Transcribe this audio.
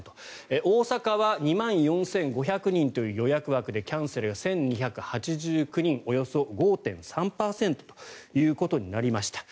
大阪は２万４５００人という予約枠でキャンセルが１２８９人およそ５．３％となりました。